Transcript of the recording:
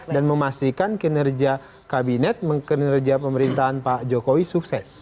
dan memastikan kinerja kabinet kinerja pemerintahan pak jokowi sukses